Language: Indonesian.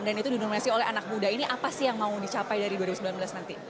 dan itu dinominasi oleh anak muda ini apa sih yang mau dicapai dari dua ribu sembilan belas nanti